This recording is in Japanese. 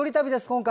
今回。